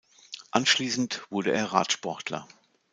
Anschließend wurde er Radsportler.